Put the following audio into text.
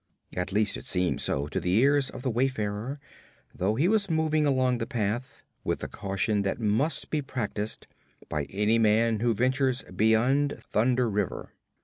At least it seemed so to the ears of the wayfarer, though he was moving along the path with the caution that must be practised by any man who ventures beyond Thunder River.